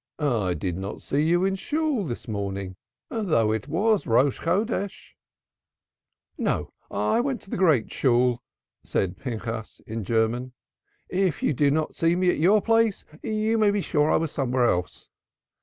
"I did not see you in Shool this morning, though it was the New Moon." "No, I went to the Great Shool," said Pinchas in German. "If you do not see me at your place you may be sure I'm somewhere else.